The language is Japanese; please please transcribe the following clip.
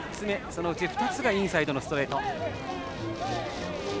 そのうち２つがインサイドのストレート。